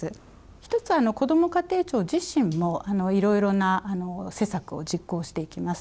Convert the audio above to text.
１つはこども家庭庁自身も、いろいろな施策を実行していきます。